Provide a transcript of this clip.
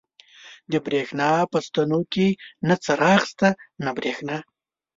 د برېښنا په ستنو کې نه څراغ شته، نه برېښنا.